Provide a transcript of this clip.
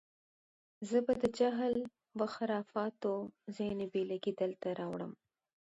زه به د جهل و خرافاتو ځینې بېلګې دلته راوړم.